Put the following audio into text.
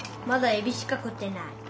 まだえびしか食ってない。